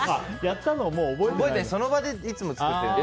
その場でいつも作ってるので。